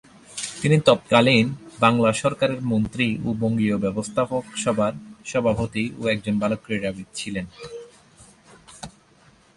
তিনি তৎকালীন বাংলা সরকারের মন্ত্রী ও বঙ্গীয় ব্যবস্থাপক সভার সভাপতি ও একজন ভালো ক্রীড়াবিদ ছিলেন।